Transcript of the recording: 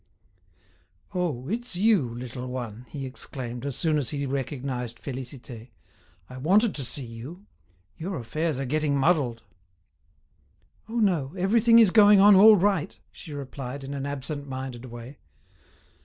"Oh! it's you, little one!" he exclaimed, as soon as he recognized Félicité. "I wanted to see you; your affairs are getting muddled!" "Oh, no; everything is going on all right," she replied, in an absent minded way.